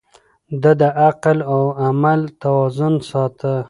ده د عقل او عمل توازن ساته.